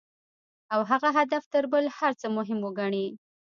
او هغه هدف تر بل هر څه مهم وګڼي.